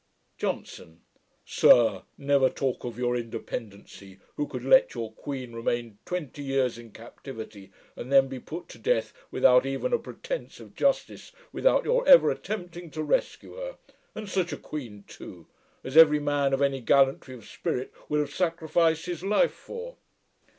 JOHNSON. 'Sir, never talk of your independency, who could let your Queen remain twenty years in captivity, and then be put to death, without even a pretence of justice, without your ever attempting to rescue her; and such a Queen too! as every man of any gallantry of spirit would have sacrificed his life for.'